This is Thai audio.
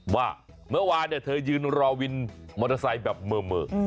ว่าเมื่อวานเธอยืนรอวินมอเตอร์ไซค์แบบเมอ